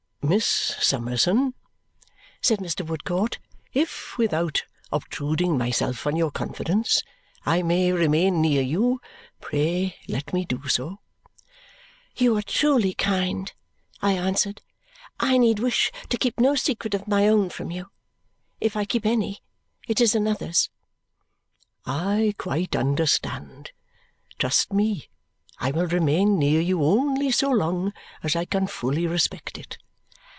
"Miss Summerson," said Mr. Woodcourt, "if without obtruding myself on your confidence I may remain near you, pray let me do so." "You are truly kind," I answered. "I need wish to keep no secret of my own from you; if I keep any, it is another's." "I quite understand. Trust me, I will remain near you only so long as I can fully respect it."